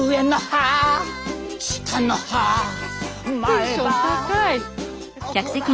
テンション高い。